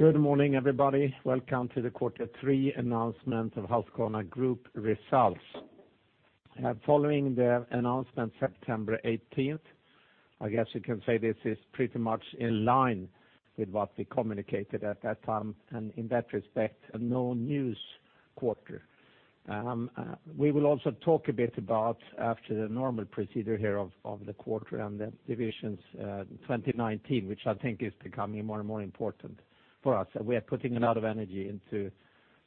Good morning, everybody. Welcome to the Quarter Three announcement of Husqvarna Group results. Following the announcement September 18th, I guess you can say this is pretty much in line with what we communicated at that time, and in that respect, a no-news quarter. We will also talk a bit about, after the normal procedure here of the quarter and the divisions, 2019, which I think is becoming more and more important for us. We are putting a lot of energy into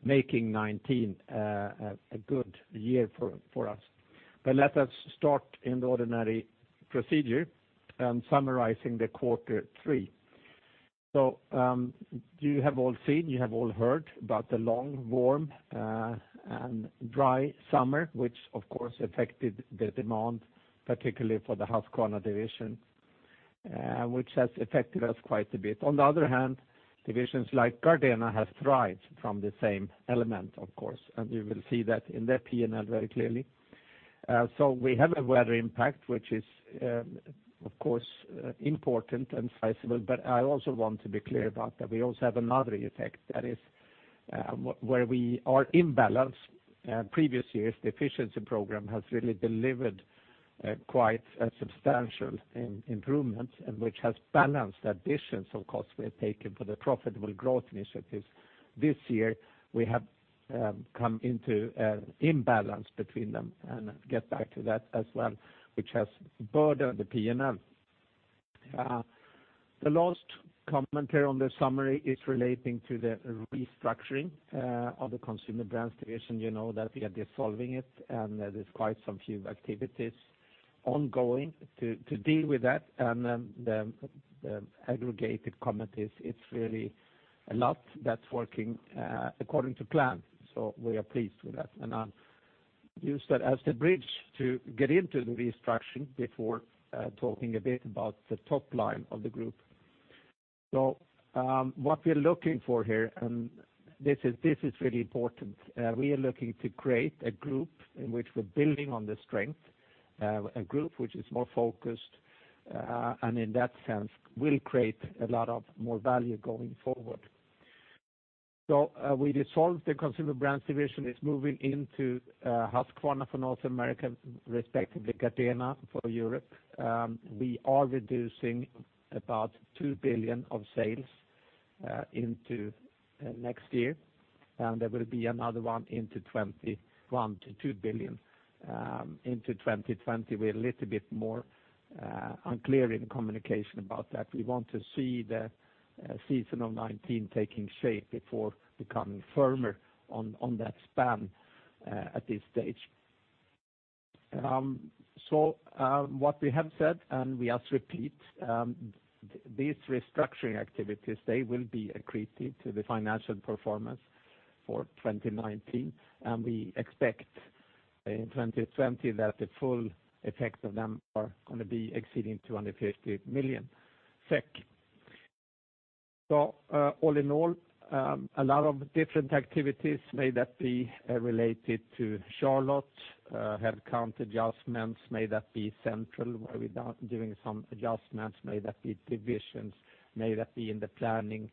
making 2019 a good year for us. Let us start in the ordinary procedure, summarizing the Quarter Three. You have all seen, you have all heard about the long, warm, and dry summer, which of course affected the demand, particularly for the Husqvarna division, which has affected us quite a bit. On the other hand, divisions like Gardena have thrived from the same element, of course, and you will see that in their P&L very clearly. We have a weather impact, which is, of course, important and sizable, but I also want to be clear about that we also have another effect. That is where we are imbalanced. Previous years, the efficiency program has really delivered quite a substantial improvement, and which has balanced additions of costs we have taken for the profitable growth initiatives. This year, we have come into imbalance between them, and I'll get back to that as well, which has burdened the P&L. The last commentary on the summary is relating to the restructuring of the Consumer Brands division. You know that we are dissolving it, and there's quite some few activities ongoing to deal with that. The aggregated comment is it's really a lot that's working according to plan, so we are pleased with that. I'll use that as the bridge to get into the restructuring before talking a bit about the top line of the group. What we are looking for here, and this is really important, we are looking to create a group in which we're building on the strength, a group which is more focused, and in that sense, will create a lot of more value going forward. We dissolved the Consumer Brands division. It's moving into Husqvarna for North America, respectively Gardena for Europe. We are reducing about 2 billion of sales into next year, and there will be another 1 billion-2 billion into 2020. We're a little bit more unclear in communication about that. We want to see the season of 2019 taking shape before becoming firmer on that span at this stage. What we have said, and we just repeat, these restructuring activities, they will be accretive to the financial performance for 2019, and we expect in 2020 that the full effects of them are going to be exceeding 250 million SEK. All in all, a lot of different activities, may that be related to Charlotte, headcount adjustments, may that be central where we are doing some adjustments, may that be divisions, may that be in the planning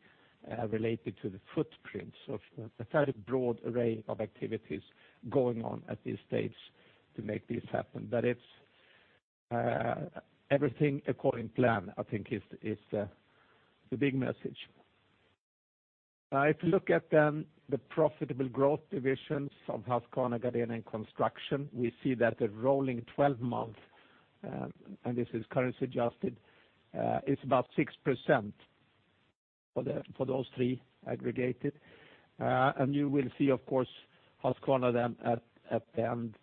related to the footprints of a fairly broad array of activities going on at this stage to make this happen. It's everything according plan, I think is the big message. If you look at the profitable growth divisions of Husqvarna, Gardena, and Construction, we see that the rolling 12 month, this is currency adjusted, is about 6% for those three aggregated. You will see, of course, Husqvarna at the end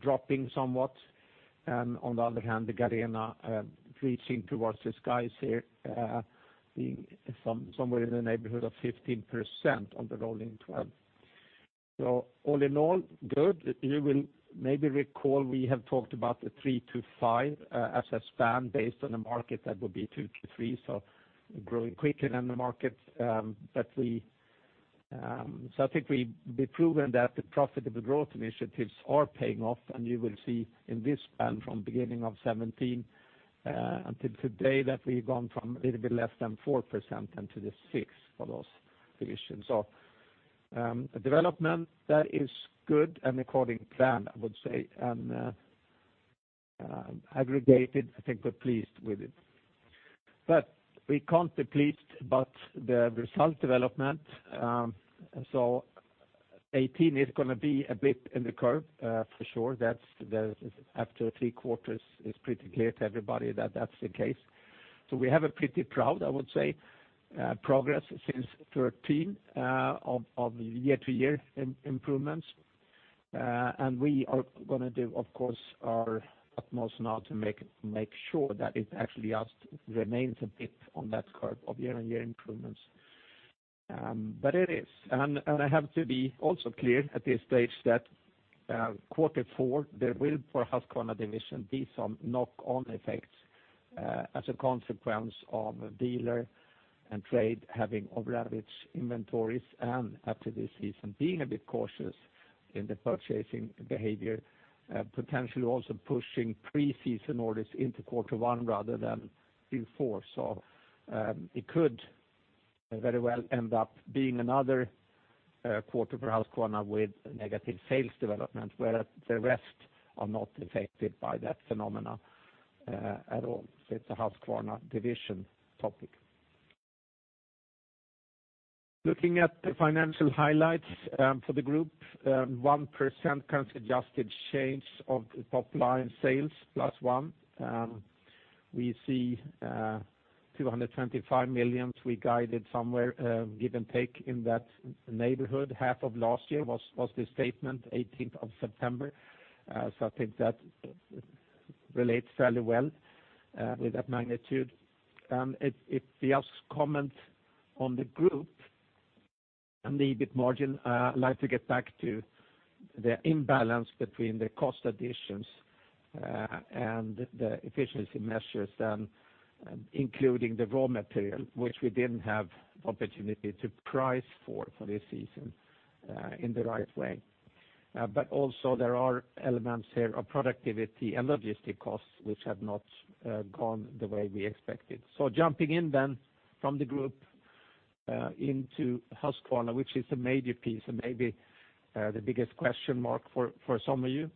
dropping somewhat, and on the other hand, Gardena reaching towards the skies here, being somewhere in the neighborhood of 15% on the rolling 12. All in all, good. You will maybe recall we have talked about the three to five as a span based on the market that will be two to three, growing quicker than the market. I think we've proven that the profitable growth initiatives are paying off, and you will see in this span from beginning of 2017 until today that we've gone from a little bit less than 4% into the 6 for those divisions. A development that is good and according plan, I would say, and aggregated, I think we're pleased with it. We can't be pleased about the result development. 2018 is going to be a blip in the curve, for sure. After three quarters, it's pretty clear to everybody that that's the case. We have a pretty proud, I would say, progress since 2013 of year-to-year improvements. We are going to do, of course, our utmost now to make sure that it actually just remains a blip on that curve of year-on-year improvements. It is. I have to be also clear at this stage that Quarter Four, there will, for Husqvarna Division, be some knock-on effects as a consequence of dealer and trade having over-average inventories, and after this season being a bit cautious in the purchasing behavior, potentially also pushing pre-season orders into Quarter One rather than in four. It could very well end up being another quarter for Husqvarna with negative sales development, where the rest are not affected by that phenomena at all. It's a Husqvarna Division topic. Looking at the financial highlights for the group, 1% currency-adjusted change of the top line sales plus one. We see 225 million. We guided somewhere, give and take, in that neighborhood. Half of last year was the statement, 18th of September. I think that relates fairly well with that magnitude. If we ask comments on the group and the EBIT margin, I'd like to get back to the imbalance between the cost additions and the efficiency measures, including the raw material, which we didn't have opportunity to price for this season in the right way. Also there are elements here of productivity and logistic costs which have not gone the way we expected. Jumping in then from the group into Husqvarna, which is a major piece, and maybe the biggest question mark for some of you.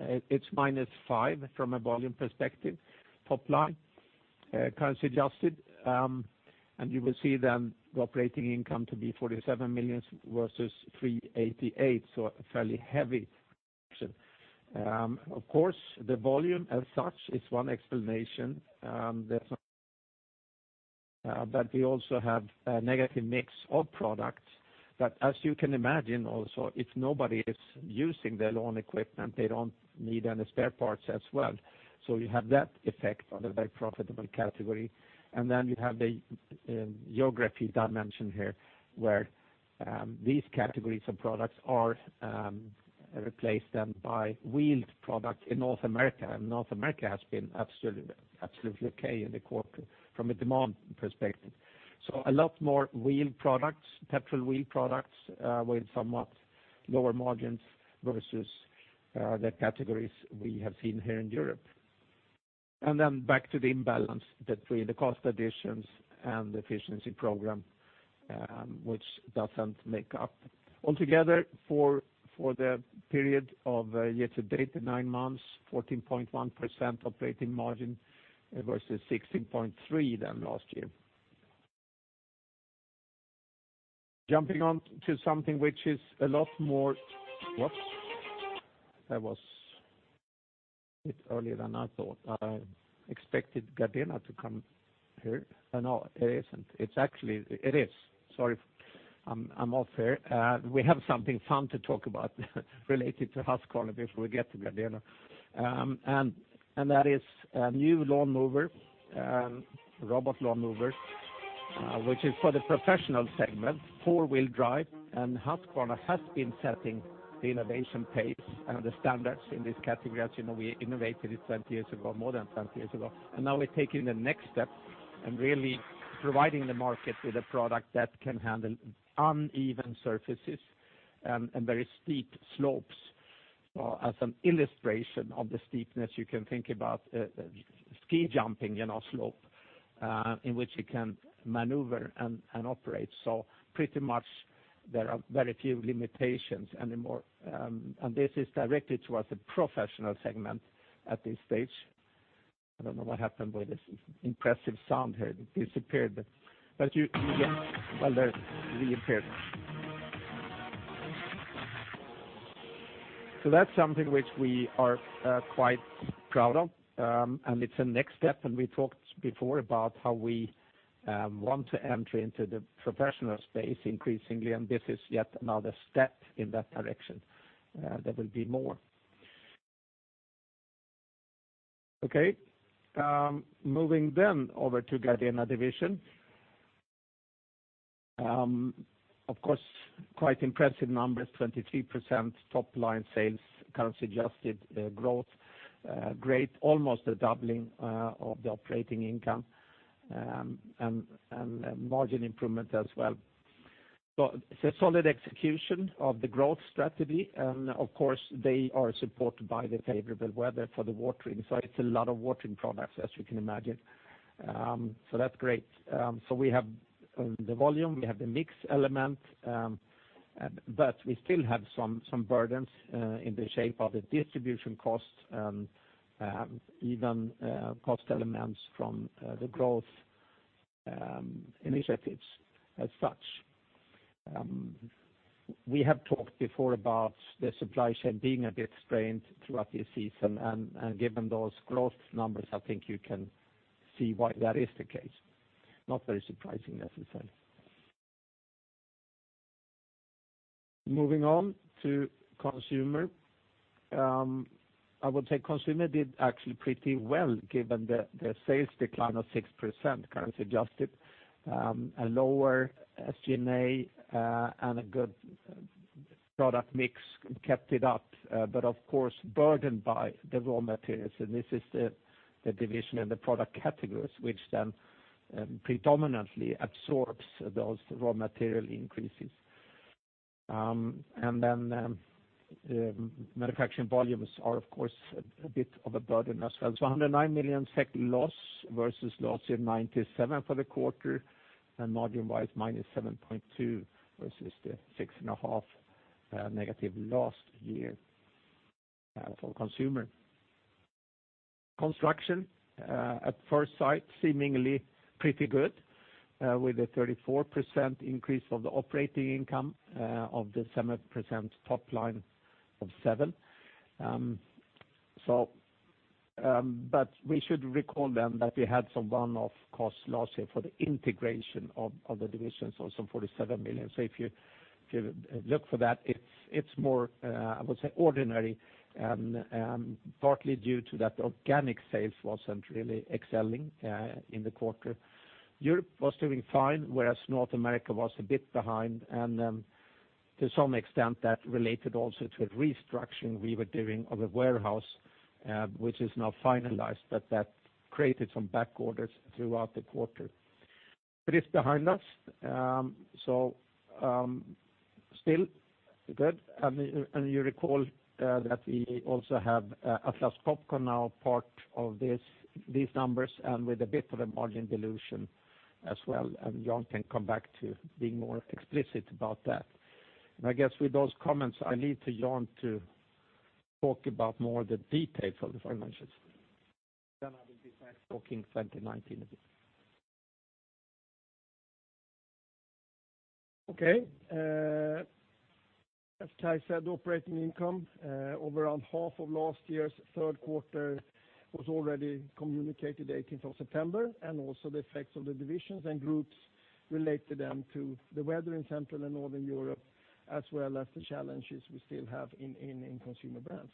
It's minus five from a volume perspective, top line currency adjusted. You will see then the operating income to be 47 million versus 388 million, a fairly heavy action. Of course, the volume as such is one explanation. We also have a negative mix of products that, as you can imagine, also, if nobody is using their lawn equipment, they don't need any spare parts as well. You have that effect on a very profitable category. Then you have the geography dimension here, where these categories of products are replaced by wheeled product in North America. North America has been absolutely okay in the quarter from a demand perspective. A lot more wheel products, petrol wheel products, with somewhat lower margins versus the categories we have seen here in Europe. Then back to the imbalance between the cost additions and the efficiency program, which doesn't make up altogether for the period of year to date, 9 months, 14.1% operating margin versus 16.3% then last year. Jumping on to something which is a lot What? That was a bit early than I thought. I expected Gardena to come here. No, it isn't. It is. Sorry. I'm off here. We have something fun to talk about related to Husqvarna before we get to Gardena. That is a new lawnmower, robot lawnmower, which is for the professional segment, four-wheel drive. Husqvarna has been setting the innovation pace and the standards in this category. As you know, we innovated it 20 years ago, more than 20 years ago. Now we're taking the next step and really providing the market with a product that can handle uneven surfaces and very steep slopes. As an illustration of the steepness, you can think about ski jumping slope in which you can maneuver and operate. Pretty much there are very few limitations anymore. This is directed towards the professional segment at this stage. I don't know what happened with this impressive sound here. It disappeared. You Well, there it reappeared. That's something which we are quite proud of. It's a next step, and we talked before about how we want to enter into the professional space increasingly, and this is yet another step in that direction. There will be more. Okay. Moving then over to Gardena Division. Of course, quite impressive numbers, 23% top-line sales currency adjusted growth. Great. Almost a doubling of the operating income, and margin improvement as well. It's a solid execution of the growth strategy, and of course, they are supported by the favorable weather for the watering. It's a lot of watering products, as you can imagine. That's great. We have the volume, we have the mix element, we still have some burdens in the shape of the distribution cost, even cost elements from the growth initiatives as such. We have talked before about the supply chain being a bit strained throughout this season, and given those growth numbers, I think you can see why that is the case. Not very surprising, necessarily. Moving on to Consumer. I would say Consumer did actually pretty well given the sales decline of 6% currency adjusted, a lower SG&A, and a good product mix kept it up, of course, burdened by the raw materials. This is the division and the product categories which then predominantly absorbs those raw material increases. Manufacturing volumes are of course, a bit of a burden as well. 109 million SEK loss versus loss of 97 for the quarter, and margin-wise, -7.2% versus the negative 6.5% last year for Consumer Brands. Husqvarna Construction, at first sight, seemingly pretty good, with a 34% increase of the operating income of the 7% top line of 7. We should recall then that we had some one-off cost last year for the integration of the divisions, 47 million. If you look for that, it is more, I would say, ordinary, and partly due to that organic sales was not really excelling in the quarter. Europe was doing fine, whereas North America was a bit behind, and to some extent that related also to a restructuring we were doing of a warehouse, which is now finalized, but that created some back orders throughout the quarter. It is behind us, still good. You recall that we also have Atlas Copco now part of these numbers, and with a bit of a margin dilution as well, and Jan can come back to being more explicit about that. I guess with those comments, I leave to Jan to talk about more of the details of the financials. I will be back talking 2019 a bit. As Kai said, operating income of around half of last year's third quarter was already communicated 18th of September, and also the effects of the divisions and groups relate to them to the weather in Central and Northern Europe, as well as the challenges we still have in Consumer Brands.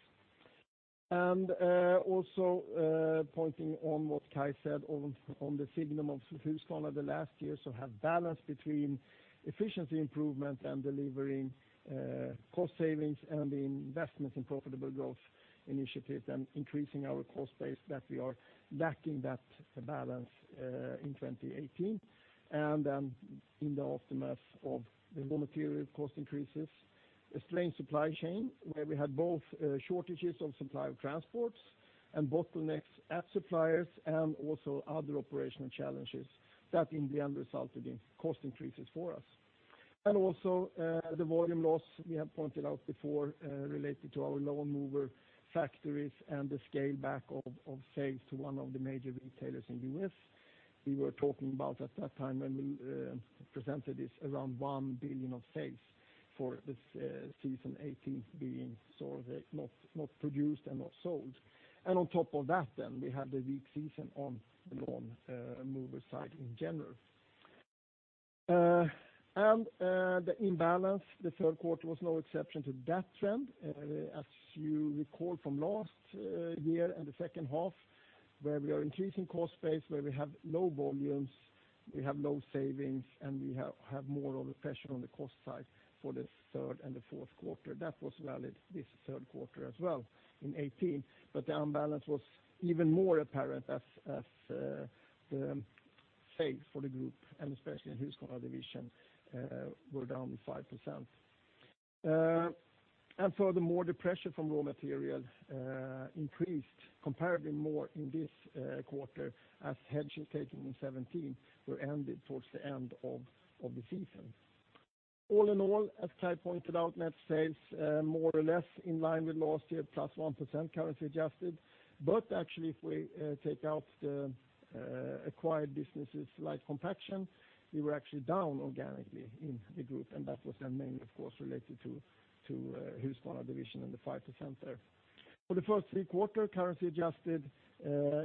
Also pointing on what Kai said on the signal of Husqvarna the last year, have balance between efficiency improvement and delivering cost savings and the investments in profitable growth initiatives and increasing our cost base that we are lacking that balance in 2018, and in the aftermath of the raw material cost increases, a strained supply chain where we had both shortages of supply of transports and bottlenecks at suppliers, and also other operational challenges that in the end resulted in cost increases for us. Also the volume loss we have pointed out before related to our lawnmower factories and the scale back of sales to one of the major retailers in the U.S. We were talking about at that time when we presented this around 1 billion of sales for this season 2018 being not produced and not sold. On top of that, we had the weak season on the lawnmower side in general. The imbalance, the third quarter was no exception to that trend. As you recall from last year in the second half, where we are increasing cost base, where we have low volumes, we have low savings, and we have more of a pressure on the cost side for the third and the fourth quarter. That was valid this third quarter as well in 2018, but the imbalance was even more apparent as the sales for the group, and especially in Husqvarna division, were down 5%. Furthermore, the pressure from raw material increased comparatively more in this quarter as hedges taken in 2017 were ended towards the end of the season. All in all, as Kai pointed out, net sales more or less in line with last year, +1% currency adjusted. Actually, if we take out the acquired businesses like Compaction, we were actually down organically in the group, and that was mainly, of course, related to Husqvarna Division and the 5% there. For the first three quarters, currency-adjusted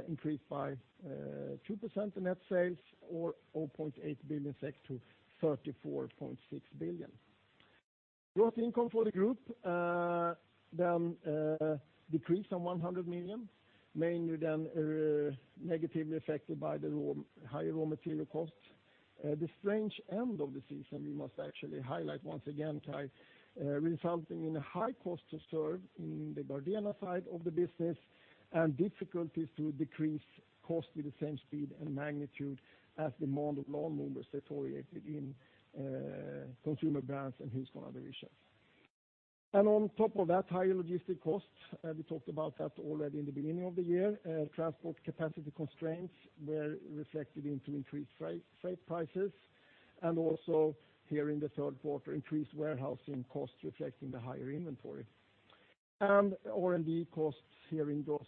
increased by 2% in net sales or 0.8 billion SEK to 34.6 billion. Gross Income for the group decreased some SEK 100 million, mainly negatively affected by the higher raw material costs. The strange end of the season, we must actually highlight once again, Kai, resulting in a high cost to serve in the Gardena side of the business, and difficulties to decrease cost with the same speed and magnitude as demand of lawnmowers deteriorated in Consumer Brands and Husqvarna Division. On top of that, higher logistics costs, we talked about that already in the beginning of the year. Transport capacity constraints were reflected into increased freight prices, and also here in the third quarter, increased warehousing costs reflecting the higher inventory. R&D costs here in gross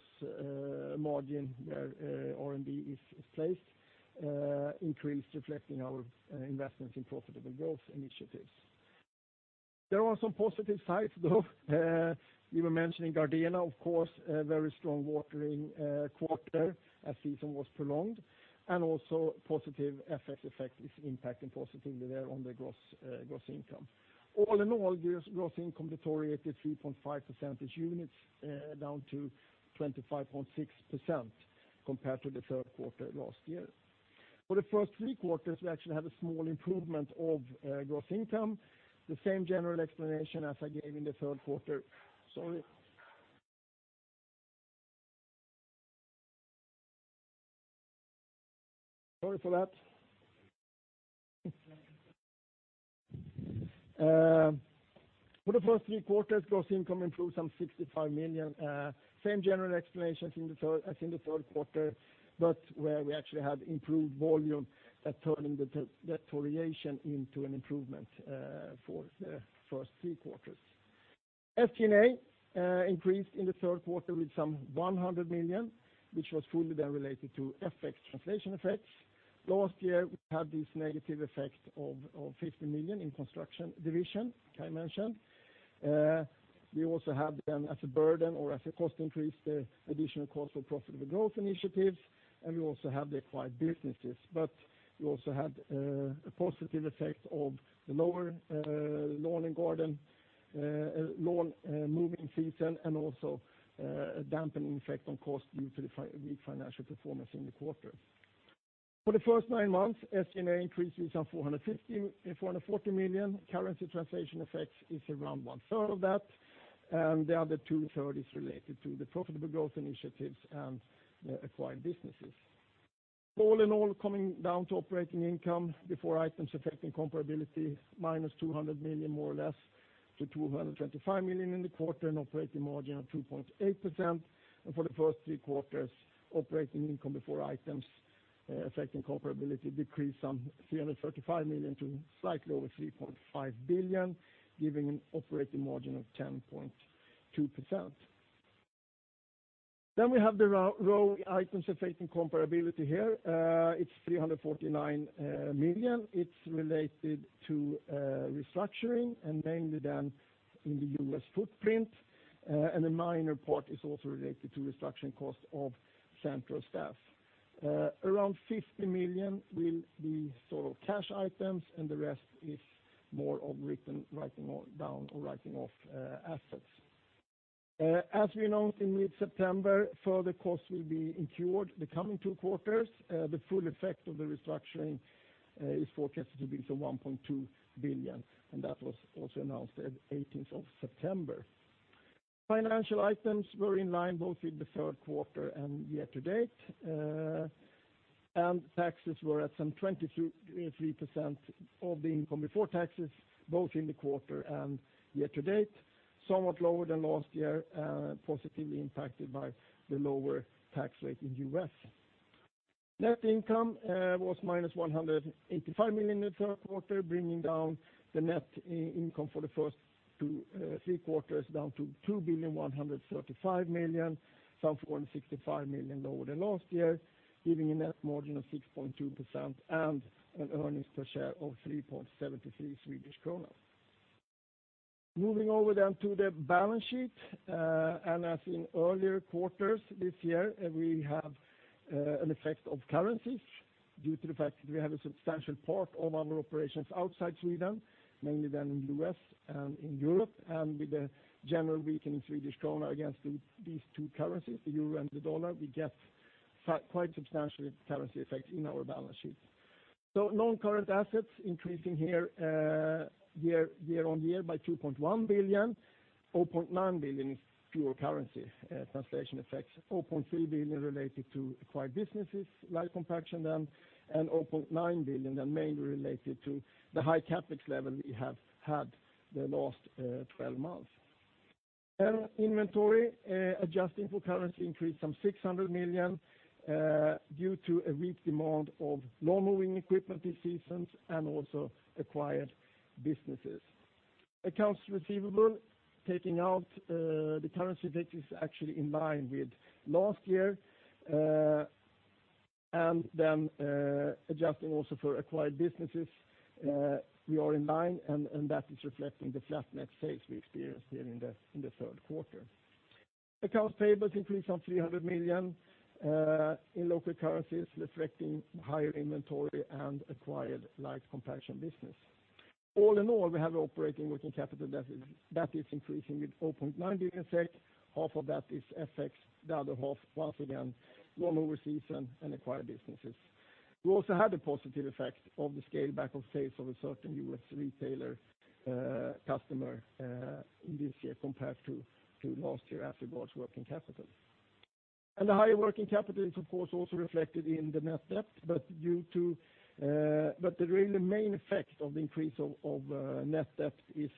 margin, where R&D is placed, increased reflecting our investments in profitable growth initiatives. There are some positive sides, though. We were mentioning Gardena, of course, a very strong watering quarter as season was prolonged, and also positive FX effect is impacting positively there on the Gross Income. All in all, Gross Income deteriorated 3.5 percentage units, down to 25.6% compared to the third quarter last year. For the first three quarters, we actually had a small improvement of Gross Income. The same general explanation as I gave in the third quarter. Sorry for that. For the first three quarters, Gross Income improved some 65 million. Same general explanations as in the third quarter, but where we actually had improved volume at turning the deterioration into an improvement for the first three quarters. SG&A increased in the third quarter with some 100 million, which was fully then related to FX translation effects. Last year, we had this negative effect of 50 million in Construction Division, Kai mentioned. We also had then as a burden or as a cost increase, the additional cost for profitable growth initiatives, and we also have the acquired businesses. We also had a positive effect of the lower lawn and garden lawn moving season, and also a dampening effect on cost due to the weak financial performance in the quarter. For the first nine months, SG&A increase is some 440 million. Currency translation effects is around one third of that, and the other two third is related to the profitable growth initiatives and the acquired businesses. All in all, coming down to Operating Income before Items Affecting Comparability, minus 200 million more or less to 225 million in the quarter, an Operating Margin of 2.8%. For the first three quarters, Operating Income before Items Affecting Comparability decreased some 335 million to slightly over 3.5 billion, giving an Operating Margin of 10.2%. We have the raw Items Affecting Comparability here. It's 349 million. It's related to restructuring and mainly then in the U.S. footprint. A minor part is also related to restructuring cost of central staff. Around 50 million will be sort of cash items, and the rest is more of writing down or writing off assets. As we announced in mid-September, further costs will be incurred the coming two quarters. The full effect of the restructuring is forecasted to be some 1.2 billion, and that was also announced at 18th of September. Financial items were in line both in the third quarter and year-to-date. Taxes were at some 23% of the income before taxes, both in the quarter and year-to-date. Somewhat lower than last year, positively impacted by the lower tax rate in U.S. Net income was minus 185 million in the third quarter, bringing down the net income for the first three quarters down to 2.135 billion, some 465 million lower than last year, giving a net margin of 6.2% and an earnings per share of 3.73 Swedish kronor. Moving over to the balance sheet. As in earlier quarters this year, we have an effect of currencies due to the fact that we have a substantial part of our operations outside Sweden, mainly in U.S. and in Europe. With the general weakening Swedish krona against these two currencies, the euro and the dollar, we get quite substantial currency effect in our balance sheet. Non-current assets increasing here year-on-year by 2.1 billion, 0.9 billion is pure currency translation effects, 0.3 billion related to acquired businesses, Light compaction, and 0.9 billion mainly related to the high CapEx level we have had the last 12 months. Inventory, adjusting for currency increased some 600 million, due to a weak demand of lawn mowing equipment this season, and also acquired businesses. Accounts receivable, taking out the currency debt is actually in line with last year, and then adjusting also for acquired businesses, we are in line, and that is reflecting the flat net sales we experienced here in the third quarter. Accounts payable increased some 300 million in local currencies, reflecting higher inventory and acquired Light compaction business. All in all, we have operating working capital deficit that is increasing with 0.9 million. Half of that is FX, the other half, once again, lawnmower season and acquired businesses. We also had a positive effect of the scale back of sales of a certain U.S. retailer customer in this year compared to last year as regards working capital. The higher working capital is, of course, also reflected in the net debt, but really the main effect of the increase of net debt is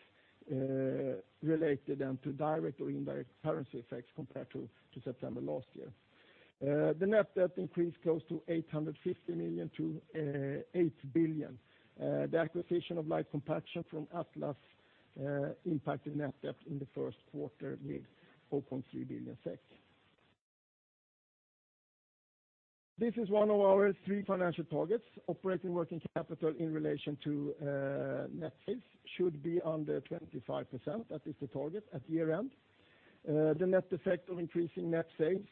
related to direct or indirect currency effects compared to September last year. The net debt increased close to 850 million to 8 billion. The acquisition of Light compaction from Atlas impacted net debt in the first quarter with 0.3 billion SEK. This is one of our three financial targets. Operating working capital in relation to net sales should be under 25%. That is the target at year-end. The net effect of increasing net sales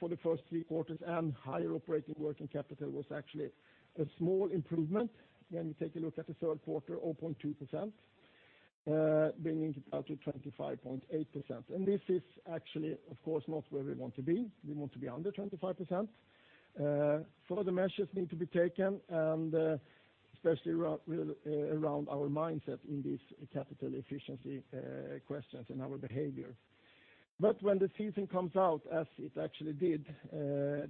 for the first three quarters and higher operating working capital was actually a small improvement. When you take a look at the third quarter, 0.2%, bringing it up to 25.8%. This is actually, of course, not where we want to be. We want to be under 25%. Further measures need to be taken, especially around our mindset in these capital efficiency questions and our behavior. When the season comes out, as it actually did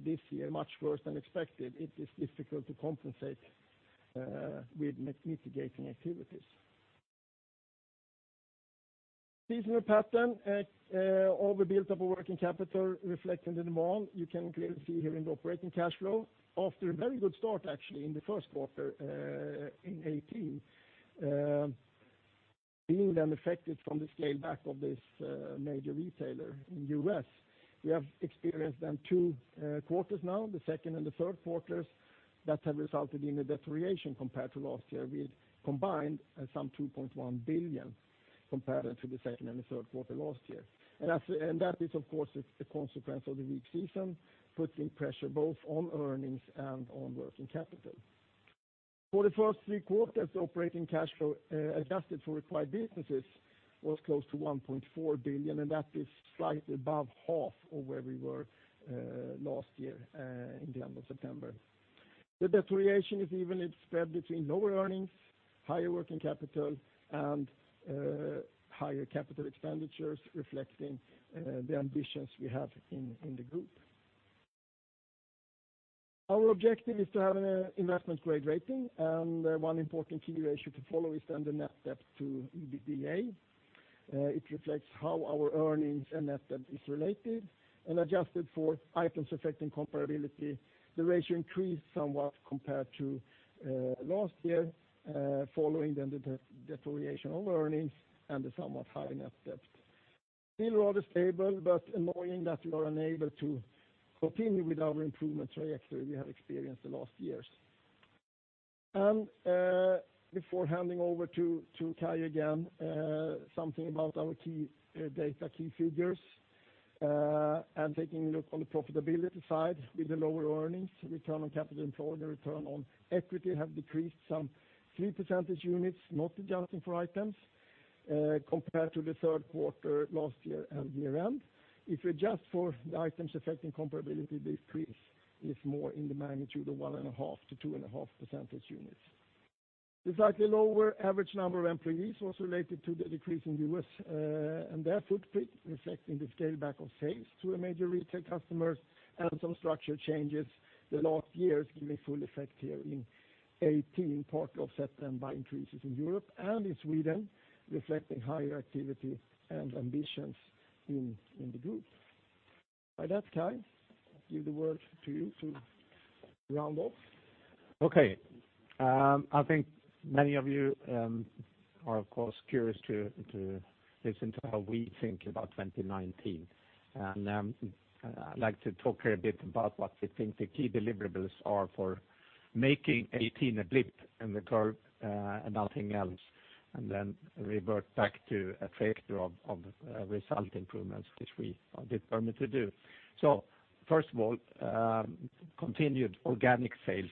this year, much worse than expected, it is difficult to compensate with mitigating activities. Seasonal pattern over built-up operating working capital reflected in the mall. You can clearly see here in the operating cash flow, after a very good start, actually, in the first quarter in 2018. Being affected from the scale back of this major retailer in U.S. We have experienced two quarters now, the second and the third quarters, that have resulted in a deterioration compared to last year with combined some 2.1 billion compared to the second and the third quarter last year. That is, of course, a consequence of the weak season, putting pressure both on earnings and on operating working capital. For the first three quarters, operating cash flow, adjusted for acquired businesses, was close to 1.4 billion, and that is slightly above half of where we were last year in the end of September. The deterioration is even spread between lower earnings, higher operating working capital, and higher CapEx reflecting the ambitions we have in the group. Our objective is to have an investment-grade rating, and one important key ratio to follow is the net debt to EBITDA. It reflects how our earnings and net debt is related, and adjusted for items affecting comparability, the ratio increased somewhat compared to last year following the deterioration of earnings and the somewhat higher net debt. Still rather stable, but annoying that we are unable to continue with our improvement trajectory we have experienced the last years. Before handing over to Kai again, something about our key data, key figures. Taking a look on the profitability side with the lower earnings, return on capital employed and return on equity have decreased some three percentage units, not adjusting for items, compared to the third quarter last year and year-end. If we adjust for the items affecting comparability, the increase is more in the magnitude of 1.5-2.5 percentage units. The slightly lower average number of employees was related to the decrease in U.S. and their footprint, reflecting the scale back of sales to a major retail customer and some structure changes the last years giving full effect here in 2018, partly offset then by increases in Europe and in Sweden, reflecting higher activity and ambitions in the group. By that, Kai, I give the word to you to round off. Okay. I think many of you are, of course, curious to listen to how we think about 2019. I'd like to talk here a bit about what we think the key deliverables are for making 2018 a blip in the curve and nothing else, and then revert back to a factor of result improvements, which we are determined to do. First of all, continued organic sales,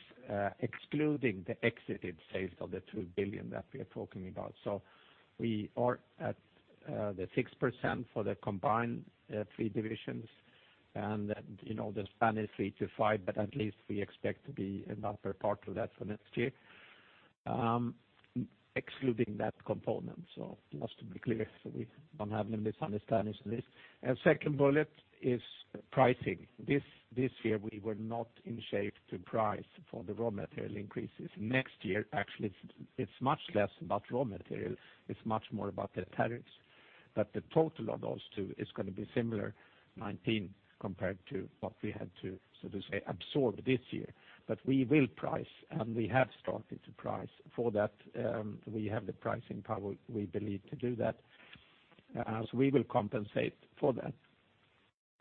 excluding the exited sales of the 2 billion that we are talking about. We are at the 6% for the combined three divisions, and the plan is 3%-5%, but at least we expect to be in the upper part of that for next year, excluding that component. Just to be clear so we don't have any misunderstandings on this. Second bullet is pricing. This year, we were not in shape to price for the raw material increases. Next year, actually, it is much less about raw material, it is much more about the tariffs. The total of those two is going to be similar, 2019 compared to what we had to, so to say, absorb this year. We will price, and we have started to price for that. We have the pricing power, we believe, to do that, as we will compensate for that.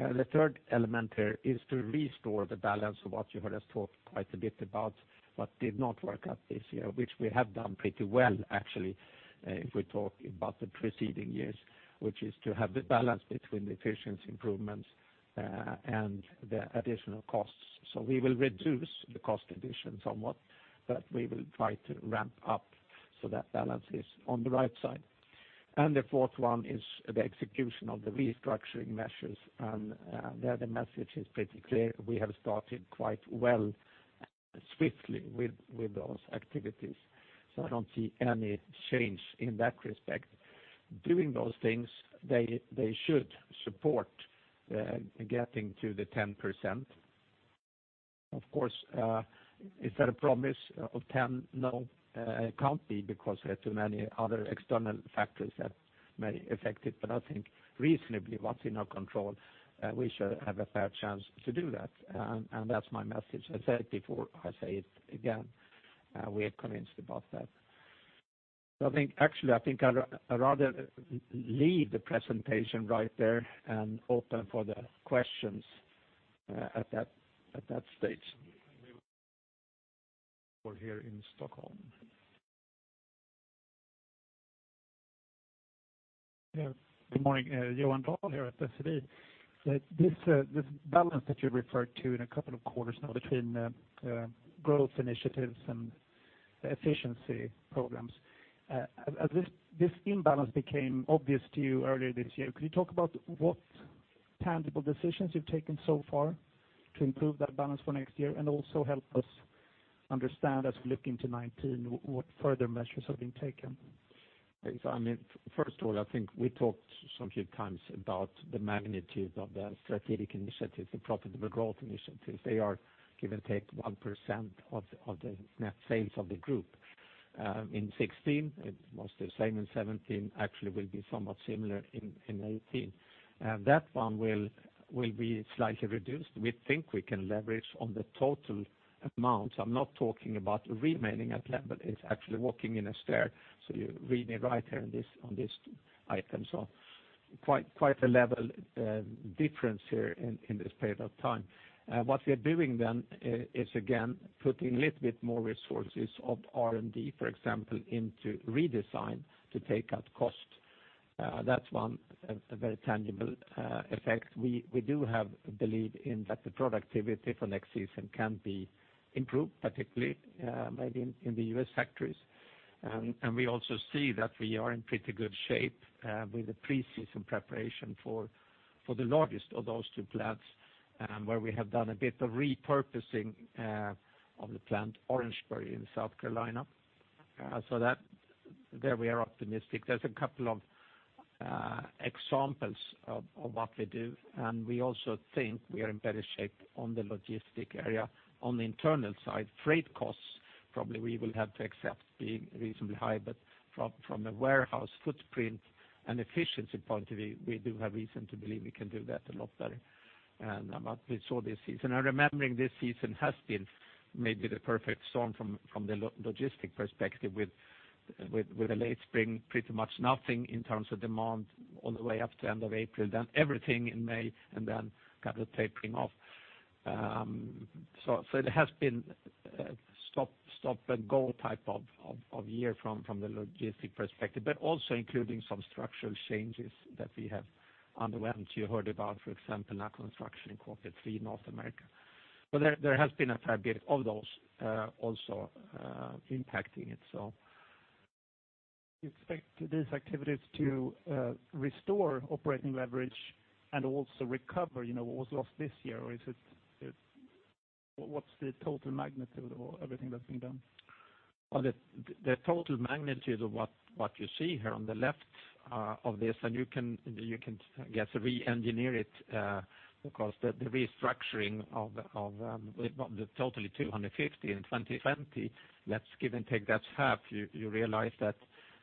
The third element here is to restore the balance of what you heard us talk quite a bit about what did not work out this year, which we have done pretty well, actually, if we talk about the preceding years, which is to have the balance between efficiency improvements and the additional costs. We will reduce the cost addition somewhat, but we will try to ramp up so that balance is on the right side. The fourth one is the execution of the restructuring measures, and there the message is pretty clear. We have started quite well swiftly with those activities, so I do not see any change in that respect. Doing those things, they should support getting to the 10%. Of course, is that a promise of 10%? No, it cannot be because there are too many other external factors that may affect it. I think reasonably what is in our control, we should have a fair chance to do that, and that is my message. I said it before, I say it again, we are convinced about that. I think actually I think I would rather leave the presentation right there and open for the questions at that stage for here in Stockholm. Yeah. Good morning. Johan Dahl here at SEB. This balance that you referred to in a couple of quarters now between growth initiatives and efficiency programs. As this imbalance became obvious to you earlier this year, could you talk about what tangible decisions you have taken so far to improve that balance for next year? Also help us understand as we look into 2019, what further measures have been taken. First of all, I think we talked some few times about the magnitude of the strategic initiatives, the profitable growth initiatives. They are give and take 1% of the net sales of the group. In 2016, it was the same, in 2017, actually will be somewhat similar in 2018. That one will be slightly reduced. We think we can leverage on the total amount. I am not talking about remaining at level. It is actually walking in a stair, so you read me right here on this item. Quite a level difference here in this period of time. What we are doing then is again, putting little bit more resources of R&D, for example, into redesign to take out cost. That is one very tangible effect. We do have belief in that the productivity for next season can be improved, particularly maybe in the U.S. factories. We also see that we are in pretty good shape with the pre-season preparation for the largest of those two plants, where we have done a bit of repurposing of the plant, Orangeburg in South Carolina. There we are optimistic. There are a couple of examples of what we do, and we also think we are in better shape on the logistic area. On the internal side, freight costs probably we will have to accept being reasonably high, but from a warehouse footprint and efficiency point of view, we do have reason to believe we can do that a lot better. We saw this season. Remembering this season has been maybe the perfect storm from the logistic perspective with the late spring, pretty much nothing in terms of demand all the way up to end of April, then everything in May, and then kind of tapering off. It has been stop-and-go type of year from the logistic perspective, but also including some structural changes that we have underwent. You heard about, for example, now construction in Q3 North America. There has been a fair bit of those also impacting it. You expect these activities to restore operating leverage and also recover what's lost this year, or what's the total magnitude of everything that's been done? The total magnitude of what you see here on the left of this, and you can guess, re-engineer it, because the restructuring of the totally 250 in 2020, let's give and take, that's half. You realize that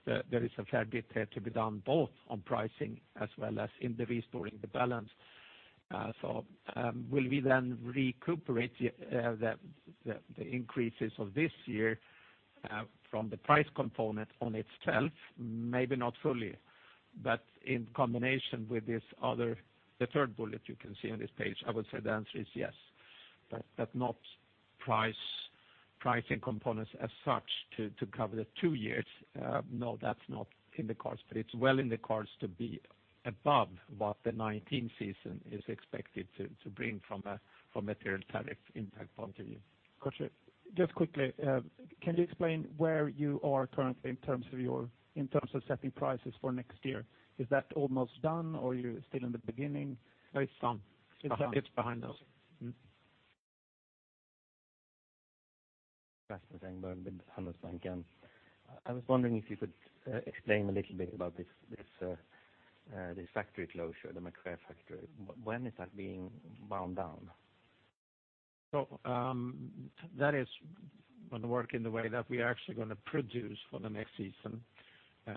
there is a fair bit there to be done both on pricing as well as in the restoring the balance. Will we then recuperate the increases of this year from the price component on itself? Maybe not fully, but in combination with the third bullet you can see on this page, I would say the answer is yes. Not pricing components as such to cover the two years. No. That's not in the cards, but it's well in the cards to be above what the 2019 season is expected to bring from a material tariff impact point of view. Got you. Just quickly, can you explain where you are currently in terms of setting prices for next year? Is that almost done or you're still in the beginning? No, it's done. It's done. It's behind us. Okay. Caspar Engberg with Handelsbanken. I was wondering if you could explain a little bit about this factory closure, the McRae factory. When is that being wound down? That is going to work in the way that we are actually going to produce for the next season,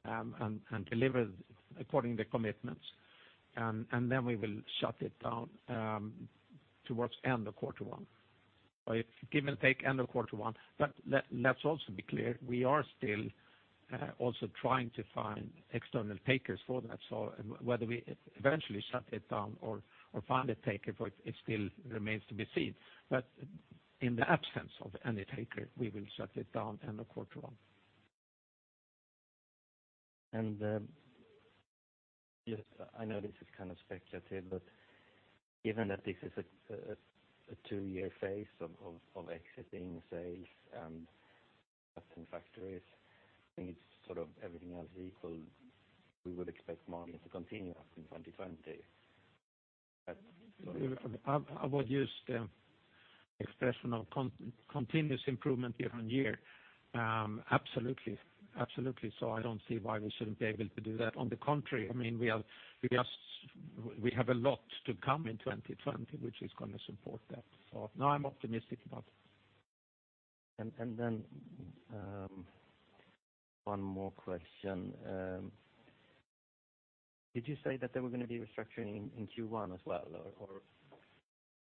and deliver according the commitments. Then we will shut it down towards end of quarter one. It's give and take end of quarter one. Let's also be clear, we are still also trying to find external takers for that. Whether we eventually shut it down or find a taker for it still remains to be seen. In the absence of any taker, we will shut it down end of quarter one. I know this is kind of speculative, given that this is a two-year phase of exiting sales and closing factories, I mean, sort of everything else equal, we would expect margins to continue up in 2020. I would use the expression of continuous improvement year-on-year. Absolutely. I don't see why we shouldn't be able to do that. On the contrary, we have a lot to come in 2020, which is going to support that. No, I'm optimistic about it. One more question. Did you say that there were going to be restructuring in Q1 as well, or?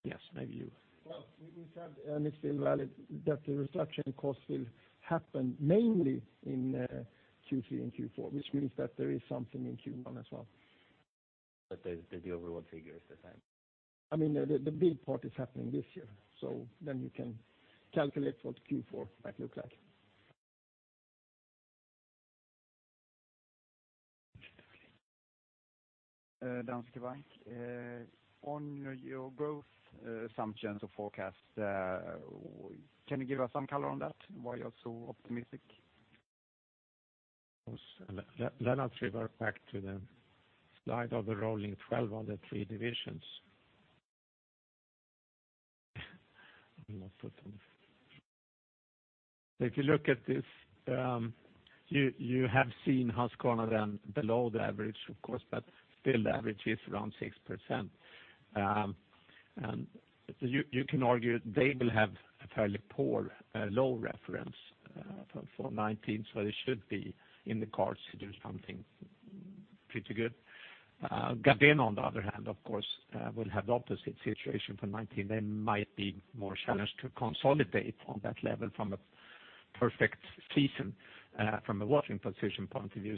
Yes, maybe you. We said, and it's still valid, that the restructuring cost will happen mainly in Q3 and Q4, which means that there is something in Q1 as well. The overall figure is the same? The big part is happening this year, you can calculate what Q4 might look like. Danske Bank. On your growth assumptions or forecast, can you give us some color on that? Why you are so optimistic? Let us revert back to the slide of the rolling 12 on the three divisions. If you look at this, you have seen Husqvarna then below the average, of course, but still the average is around 6%. You can argue they will have a fairly poor low reference for 2019, it should be in the cards to do something pretty good. Gardena, on the other hand, of course, will have the opposite situation for 2019. They might be more challenged to consolidate on that level from a perfect season from a watching position point of view,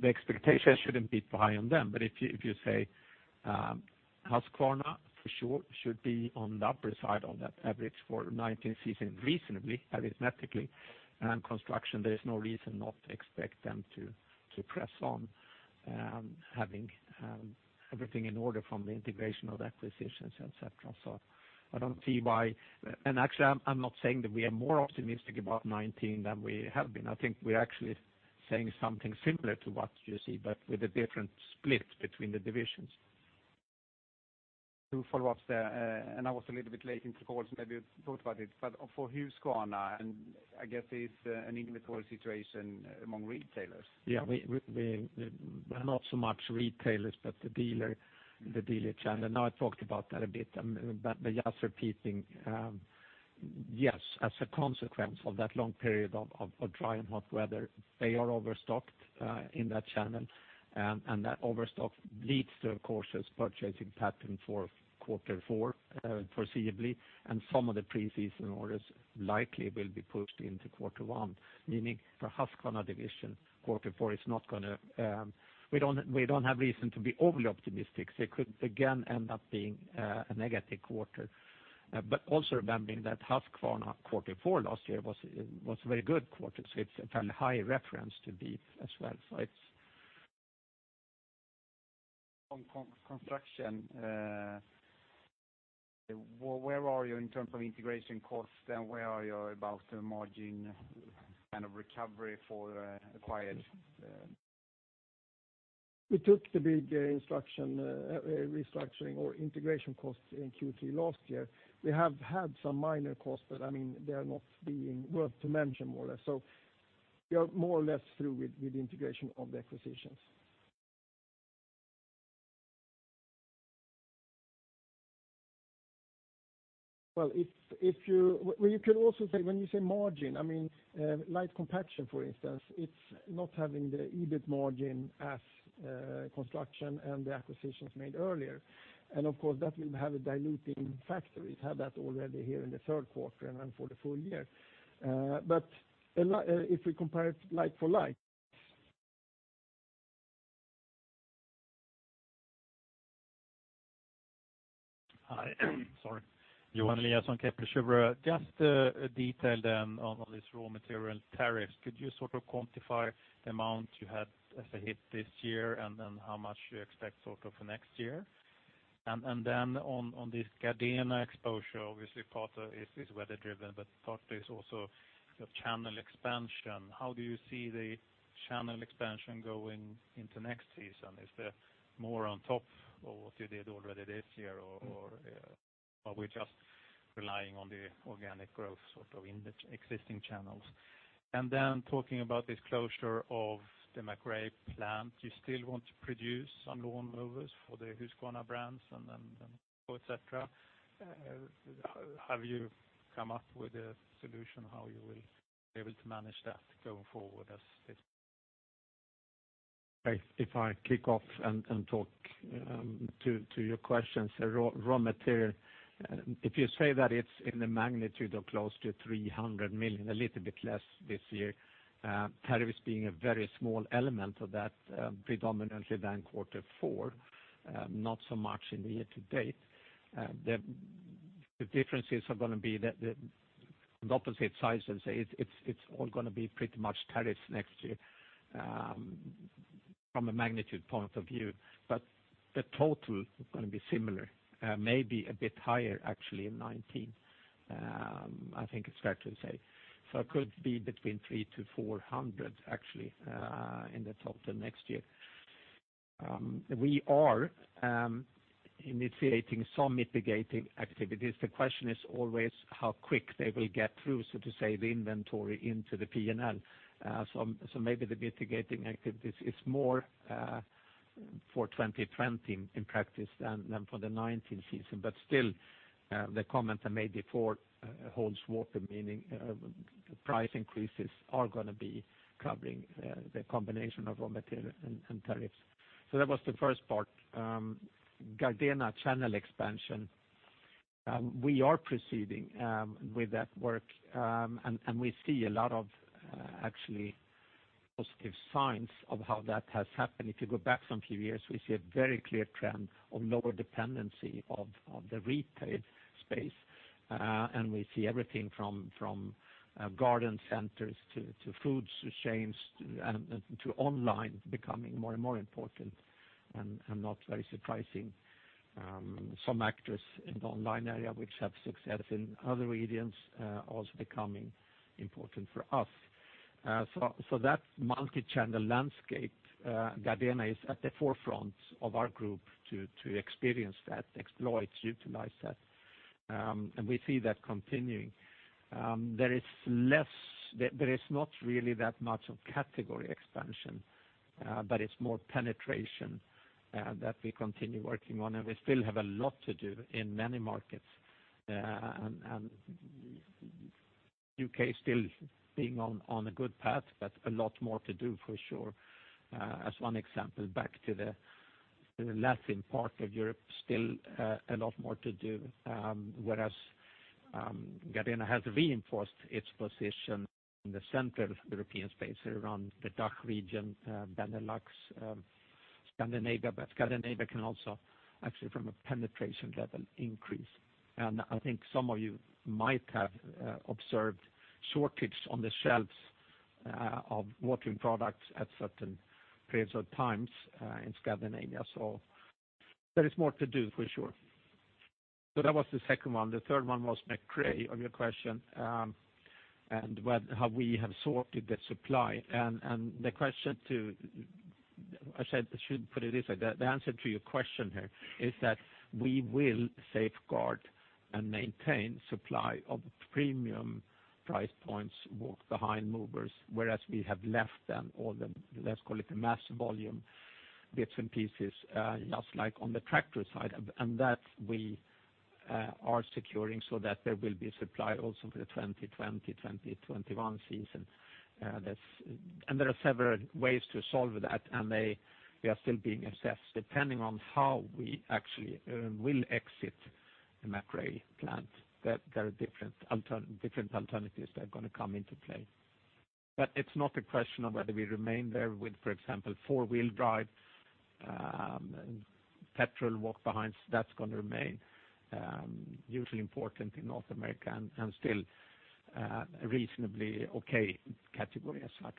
the expectation shouldn't be high on them. If you say Husqvarna for sure should be on the upper side on that average for 2019 season, reasonably, arithmetically, Construction, there is no reason not to expect them to press on having everything in order from the integration of acquisitions, et cetera. Actually, I'm not saying that we are more optimistic about 2019 than we have been. I think we are actually saying something similar to what you see, but with a different split between the divisions. Two follow-ups there. I was a little bit late into the call, so maybe you thought about it, for Husqvarna, I guess it's an inventory situation among retailers. Yeah. Not so much retailers, but the dealer channel. I talked about that a bit, but just repeating. As a consequence of that long period of dry and hot weather, they are overstocked in that channel, that overstock leads to, of course, this purchasing pattern for quarter four, foreseeably, some of the pre-season orders likely will be pushed into quarter one, meaning for Husqvarna division, quarter four, we don't have reason to be overly optimistic. It could again end up being a negative quarter. Also remembering that Husqvarna quarter four last year was a very good quarter, it's a fairly high reference to beat as well. On construction, where are you in terms of integration costs, where are you about the margin recovery for acquired? We took the big restructuring or integration costs in Q3 last year. We have had some minor costs, they are not worth to mention, more or less. We are more or less through with the integration of the acquisitions. You could also say when you say margin, Light compaction, for instance, it's not having the EBIT margin as construction and the acquisitions made earlier. Of course, that will have a diluting factor. We have that already here in the third quarter and then for the full year. If we compare it like for like- Hi. Sorry. Yes. Johan Eliason, Kepler Cheuvreux. Just a detail on all these raw material tariffs. Could you quantify the amount you had as a hit this year, how much you expect for next year? On this Gardena exposure, obviously part is weather driven, but part is also channel expansion. How do you see the channel expansion going into next season? Is there more on top of what you did already this year, or are we just relying on the organic growth in the existing channels? Talking about this closure of the McRae plant, do you still want to produce some lawnmowers for the Husqvarna brands and then et cetera? Have you come up with a solution how you will be able to manage that going forward as this- If I kick off and talk to your questions. Raw material. If you say that it's in the magnitude of close to 300 million, a little bit less this year, tariffs being a very small element of that predominantly than Q4, not so much in the year to date. The differences are going to be on opposite sides than say it's all going to be pretty much tariffs next year from a magnitude point of view. The total is going to be similar, maybe a bit higher actually in 2019, I think it's fair to say. It could be between 300 million to 400 million actually in the total next year. We are initiating some mitigating activities. The question is always how quick they will get through, so to say, the inventory into the P&L. Maybe the mitigating activities is more for 2020 in practice than for the 2019 season. Still the comment I made before holds water, meaning price increases are going to be covering the combination of raw material and tariffs. That was the first part. Gardena channel expansion. We are proceeding with that work, and we see a lot of actually positive signs of how that has happened. If you go back some few years, we see a very clear trend of lower dependency of the retail space. We see everything from garden centers to food chains, and to online becoming more and more important. Not very surprising, some actors in the online area which have success in other regions, also becoming important for us. That multi-channel landscape, Gardena is at the forefront of our group to experience that, exploit, utilize that. We see that continuing. There is not really that much of category expansion, but it's more penetration that we continue working on, and we still have a lot to do in many markets. U.K. still being on a good path, but a lot more to do for sure. As one example, back to the Latin part of Europe, still a lot more to do. Gardena has reinforced its position in the central European space around the DACH region, Benelux, Scandinavia. Scandinavia can also actually from a penetration level increase. I think some of you might have observed shortage on the shelves of watering products at certain periods of times in Scandinavia. There is more to do for sure. That was the second one. The third one was McRae of your question, and how we have sorted the supply. I should put it this way, the answer to your question here is that we will safeguard and maintain supply of premium price points walk-behind mowers, whereas we have left them all the, let's call it the mass volume bits and pieces, just like on the tractor side. That we are securing so that there will be supply also for the 2020, 2021 season. There are several ways to solve that, and they are still being assessed depending on how we actually will exit the McRae plant. There are different alternatives that are going to come into play. It's not a question of whether we remain there with, for example, four-wheel drive, petrol walk-behinds. That's going to remain hugely important in North America and still a reasonably okay category as such.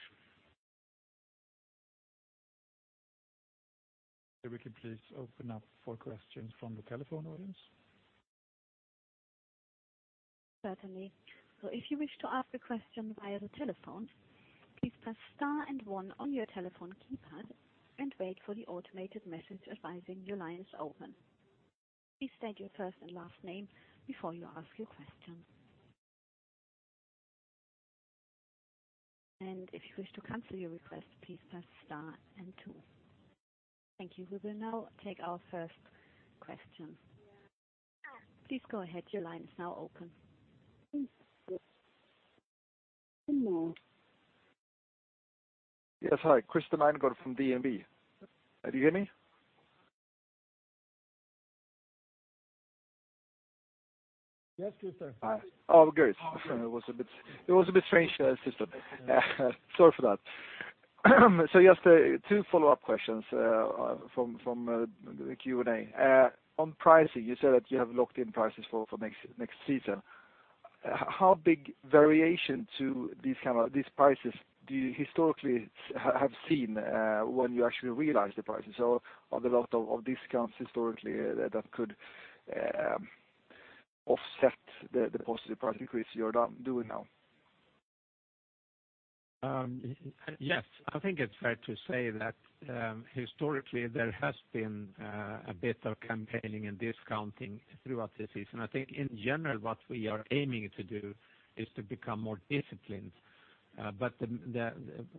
We can please open up for questions from the telephone audience. Certainly. If you wish to ask a question via the telephone, please press star and one on your telephone keypad and wait for the automated message advising your line is open. Please state your first and last name before you ask your question. If you wish to cancel your request, please press star and two. Thank you. We will now take our first question. Please go ahead. Your line is now open. Yes. Hi, Christer Mångård from DNB. Do you hear me? Yes, Christer. Hi. All good. It was a bit strange, the system. Sorry for that. Just two follow-up questions from the Q&A. On pricing, you said that you have locked in prices for next season. How big variation to these prices do you historically have seen when you actually realize the prices? Are there a lot of discounts historically that could offset the positive price increase you are doing now? Yes. I think it's fair to say that historically there has been a bit of campaigning and discounting throughout the season. I think in general, what we are aiming to do is to become more disciplined.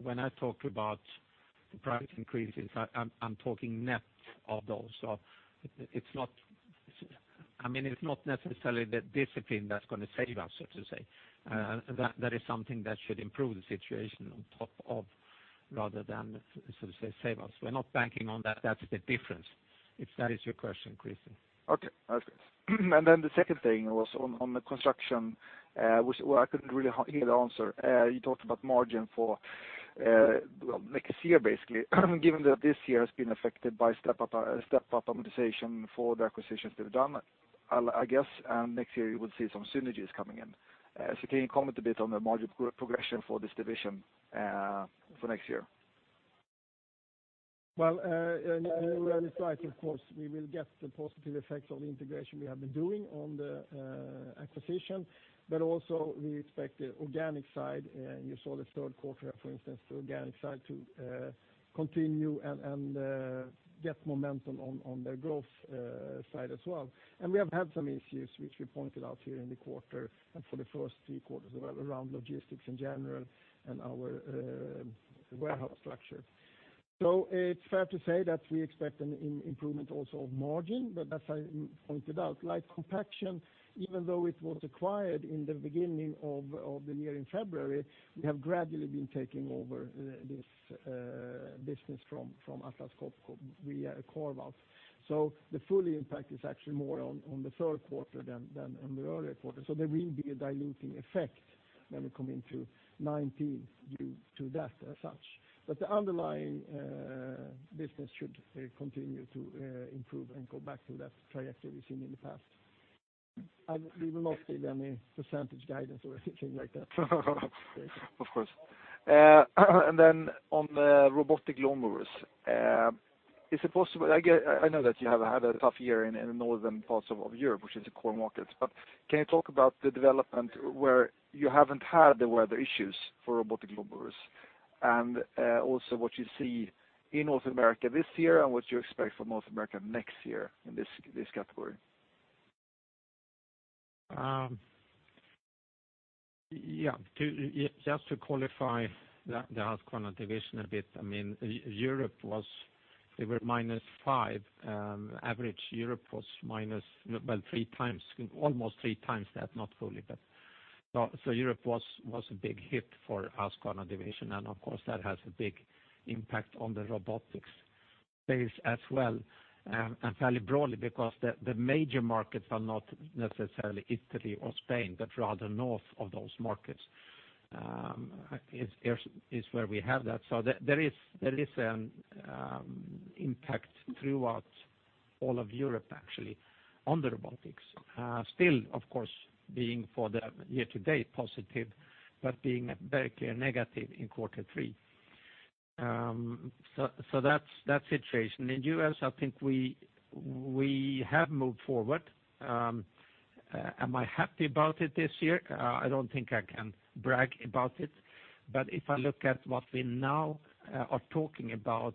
When I talk about the price increases, I'm talking net of those. It's not necessarily the discipline that's going to save us, so to say. That is something that should improve the situation on top of rather than, so to say, save us. We're not banking on that. That is the difference, if that is your question, Christer. Okay. The second thing was on the Husqvarna Construction, which I couldn't really hear the answer. You talked about margin for next year, basically. Given that this year has been affected by step-up optimization for the acquisitions that are done, I guess next year you would see some synergies coming in. Can you comment a bit on the margin progression for this division for next year? Well, you are right, of course, we will get the positive effects of the integration we have been doing on the acquisition. We expect the organic side, you saw the third quarter, for instance, the organic side to continue and get momentum on the growth side as well. We have had some issues which we pointed out here in the quarter and for the first three quarters around logistics in general and our warehouse structure. It's fair to say that we expect an improvement also of margin, as I pointed out, Light compaction, even though it was acquired in the beginning of the year in February, we have gradually been taking over this business from Atlas Copco via a carve-out. The full impact is actually more on the third quarter than on the earlier quarter. There will be a diluting effect when we come into 2019 due to that as such. The underlying business should continue to improve and go back to that trajectory we've seen in the past. We will not give any percentage guidance or anything like that. Of course. Then on the robotic lawnmowers. I know that you have had a tough year in the northern parts of Europe, which is a core market, can you talk about the development where you haven't had the weather issues for robotic lawnmowers? Also what you see in North America this year and what you expect from North America next year in this category. Just to qualify the Husqvarna division a bit, Europe, they were minus 5%. Average Europe was almost three times that, not fully. Europe was a big hit for Husqvarna division, of course that has a big impact on the robotics phase as well. Fairly broadly because the major markets are not necessarily Italy or Spain, rather north of those markets, is where we have that. There is an impact throughout all of Europe actually on the robotics. Still, of course, being for the year to date positive, being very clear negative in quarter three. That's the situation. In U.S., I think we have moved forward. Am I happy about it this year? I don't think I can brag about it, if I look at what we now are talking about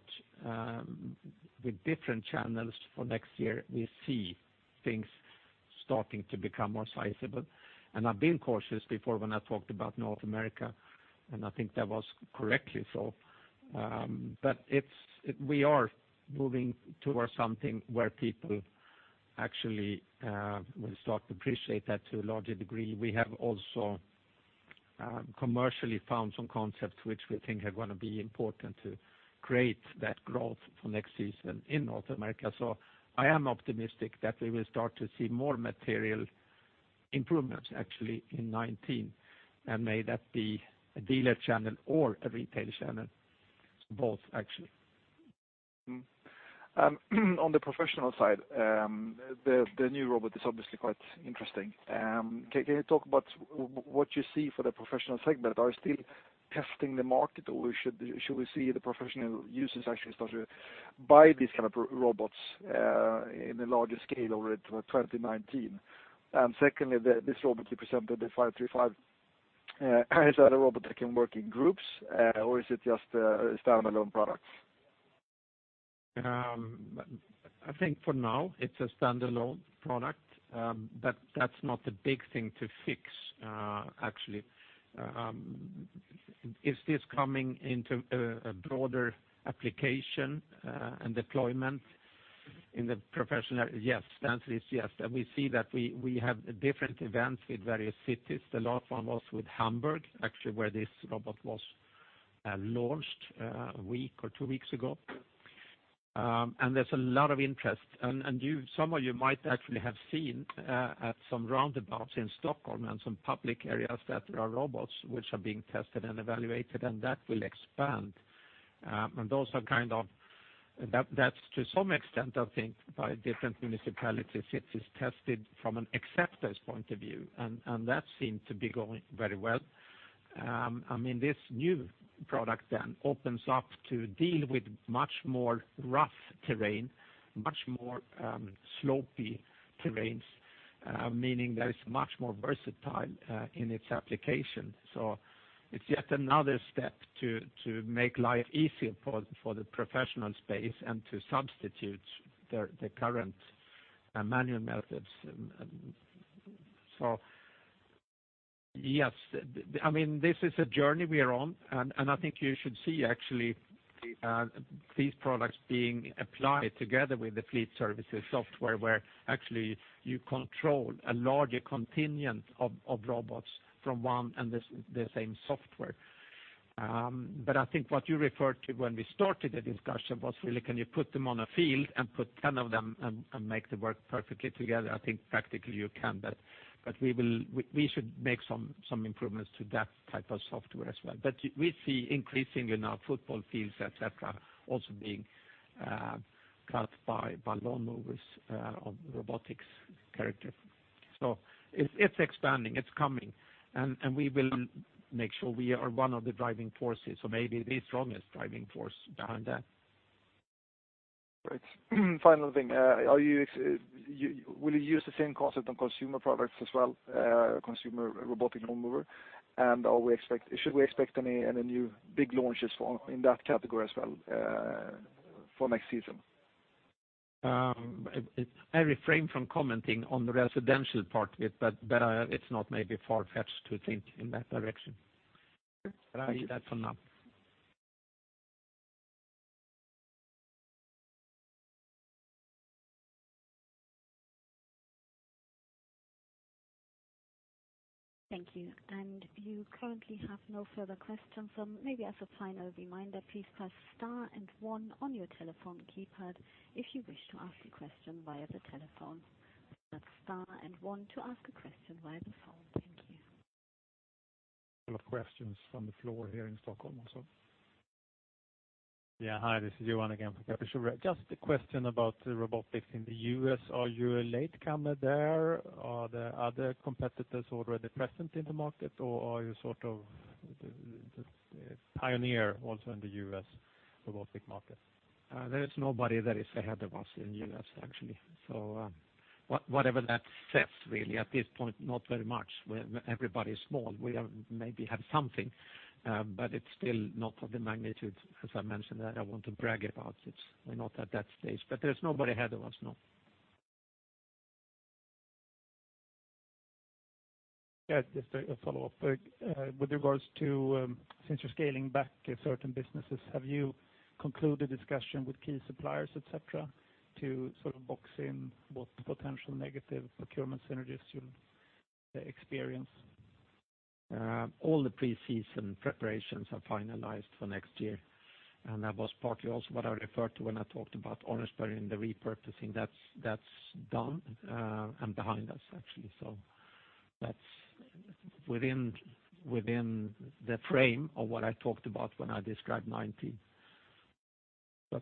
with different channels for next year, we see things starting to become more sizable. I've been cautious before when I talked about North America, I think that was correctly so. We are moving towards something where people actually will start to appreciate that to a larger degree. We have also commercially found some concepts which we think are going to be important to create that growth for next season in North America. I am optimistic that we will start to see more material improvements actually in 2019, may that be a dealer channel or a retail channel. Both, actually. On the professional side, the new robot is obviously quite interesting. Can you talk about what you see for the professional segment? Are you still testing the market, should we see the professional users actually start to buy these kind of robots in a larger scale over 2019? Secondly, this robot you presented, the 535, is that a robot that can work in groups, is it just a standalone product? I think for now it's a standalone product. That's not a big thing to fix, actually. Is this coming into a broader application, and deployment in the professional area? Yes. The answer is yes. We see that we have different events with various cities. The last one was with Hamburg, actually, where this robot was launched a week or two weeks ago. There's a lot of interest. Some of you might actually have seen at some roundabouts in Stockholm and some public areas that there are robots which are being tested and evaluated, and that will expand. That's to some extent, I think, by different municipalities. It is tested from an acceptor's point of view, and that seemed to be going very well. This new product opens up to deal with much more rough terrain, much more sloppy terrains, meaning that it's much more versatile in its application. It's yet another step to make life easier for the professional space and to substitute the current manual methods. Yes, this is a journey we are on, and I think you should see actually these products being applied together with the fleet services software, where actually you control a larger contingent of robots from one and the same software. I think what you referred to when we started the discussion was really can you put them on a field and put 10 of them and make them work perfectly together? I think practically you can, but we should make some improvements to that type of software as well. We see increasing in our football fields, et cetera, also being cut by lawnmowers of robotics character. It's expanding, it's coming, and we will make sure we are one of the driving forces or maybe the strongest driving force behind that. Great. Final thing. Will you use the same concept on consumer products as well, consumer robotic lawnmower? Should we expect any new big launches in that category as well, for next season? I refrain from commenting on the residential part of it, but it's not maybe far-fetched to think in that direction. Okay. I leave that for now. Thank you. If you currently have no further questions, maybe as a final reminder, please press star and one on your telephone keypad if you wish to ask a question via the telephone. That's star and one to ask a question via the phone. Full of questions from the floor here in Stockholm also. Hi, this is Johan again from Kepler Cheuvreux. Just a question about the robotics in the U.S. Are you a latecomer there? Are there other competitors already present in the market, or are you sort of the pioneer also in the U.S. robotics market? There is nobody that is ahead of us in the U.S., actually. Whatever that says really, at this point, not very much. Everybody is small. We maybe have something, but it's still not of the magnitude, as I mentioned, that I want to brag about. We're not at that stage. There's nobody ahead of us, no. Yes, just a follow-up. With regards to, since you're scaling back certain businesses, have you concluded discussion with key suppliers, et cetera, to sort of box in what potential negative procurement synergies you'll experience? All the pre-season preparations are finalized for next year. That was partly also what I referred to when I talked about Orangeburg, buried in the repurposing. That's done and behind us, actually. That's within the frame of what I talked about when I described 2019. Got you.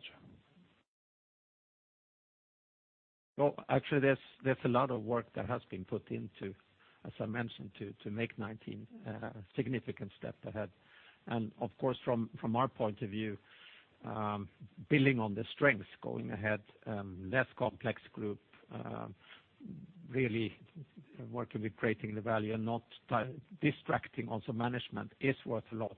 Well, actually, there's a lot of work that has been put into, as I mentioned, to make 2019 a significant step ahead. Of course, from our point of view, building on the strengths going ahead, less complex group, really working with creating the value, not distracting also management is worth a lot.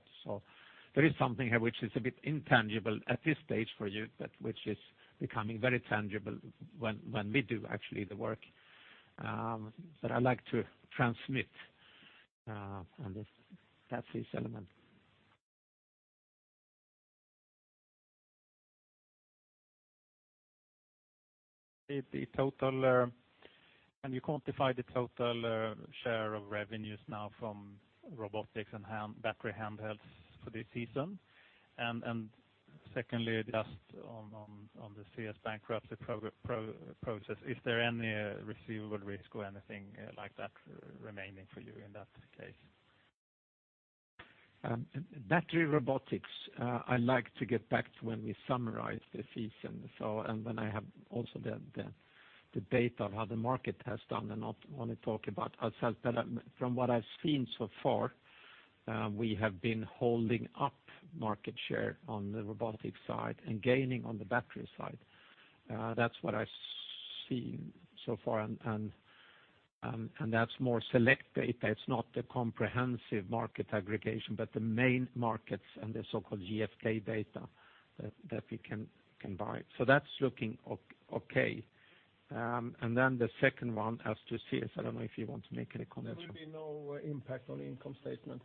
There is something here which is a bit intangible at this stage for you, but which is becoming very tangible when we do actually the work. I like to transmit on this, that sales element. Can you quantify the total share of revenues now from robotics and battery handhelds for this season? Secondly, just on the Sears bankruptcy process, is there any receivable risk or anything like that remaining for you in that case? Battery robotics, I like to get back to when we summarize the season. When I have also the data of how the market has done, not only talk about ourselves, but from what I've seen so far, we have been holding up market share on the robotics side and gaining on the battery side. That's what I've seen so far, that's more select data. It's not the comprehensive market aggregation, but the main markets and the so-called GfK data that we can buy. That's looking okay. Then the second one as to CS, I don't know if you want to make any comments. There will be no impact on income statement.